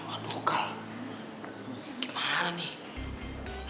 aduh kal gimana nih